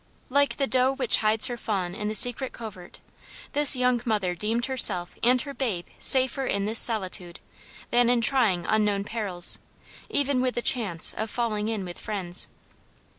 Like the doe which hides her fawn in the secret covert, this young mother deemed herself and her babe safer in this solitude than in trying unknown perils, even with the chance of falling in with friends.